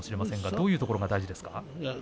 どういうところが大事ですか？